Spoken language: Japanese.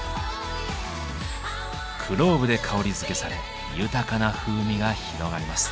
クローブで香りづけされ豊かな風味が広がります。